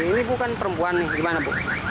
ini bukan perempuan gimana bu